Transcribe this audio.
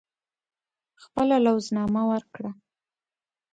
خپله لوز نامه ورکړه.